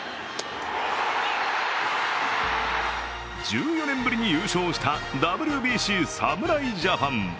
１４年ぶりに優勝したＷＢＣ侍ジャパン。